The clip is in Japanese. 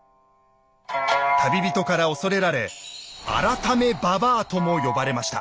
旅人から恐れられ「改め婆」とも呼ばれました。